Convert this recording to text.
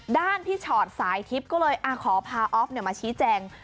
ด้านพี่ชอตสายทิพย์ก็เลยขอพาออฟมาชี้แจง